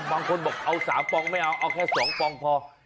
บางคนบอกเอาสามปำงไม่เอาเอาแค่สองปำงพอเออ